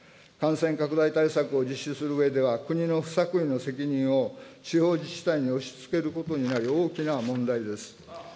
感染拡大対策を実施するうえでは、国の不作為の責任を地方自治体に押しつけることになり、大きな問題です。